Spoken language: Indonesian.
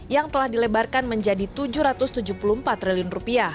yang telah dilebarkan menjadi rp tujuh ratus tujuh puluh empat triliun